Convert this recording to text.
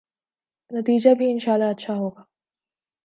نتیجہ بھی انشاء اﷲ اچھا ہو گا۔